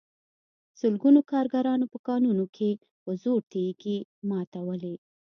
سلګونو کارګرانو په کانونو کې په زور تېږې ماتولې